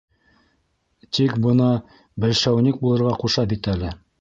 Тик бына бәлшәүник булырға ҡуша бит әле.